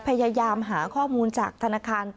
พยายามหาข้อมูลจากธนาคาร